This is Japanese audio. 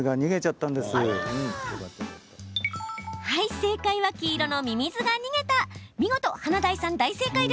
正解は黄色のミミズが逃げた、でした。